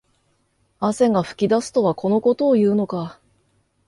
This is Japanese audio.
汗が噴き出すとはこのことを言うのか